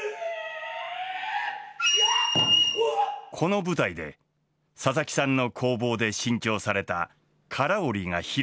この舞台で佐々木さんの工房で新調された唐織が披露された。